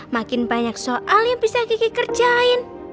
makin banyak soal yang bisa kiki kerjain